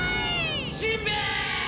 しんべヱ！